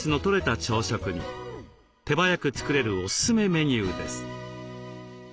手早く作れるおすすめメニューです。